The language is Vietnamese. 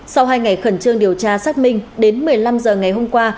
sau hai ngày khẩn trương điều tra xác minh đến một mươi năm h ngày hôm qua